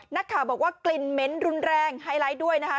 นักข่าวบอกว่ากลิ่นเหม็นรุนแรงไฮไลท์ด้วยนะคะ